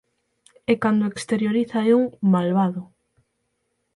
E cando a exterioriza é un "malvado".